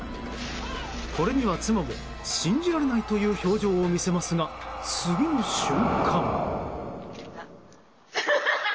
これには妻も信じられないという表情を見せますが次の瞬間。